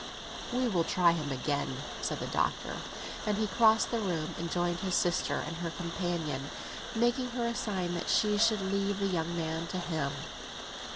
"We will try him again," said the Doctor. And he crossed the room and joined his sister and her companion, making her a sign that she should leave the young man to him.